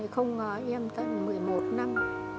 không ngờ em tận một mươi một năm